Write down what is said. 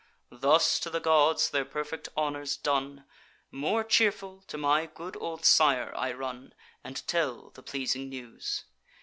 Thus to the gods their perfect honours done, More cheerful, to my good old sire I run, And tell the pleasing news.